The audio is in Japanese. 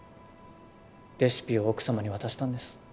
レシピを奥様に渡したんです。